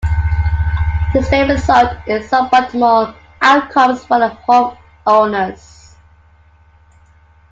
This may result in suboptimal outcomes for the homeowners.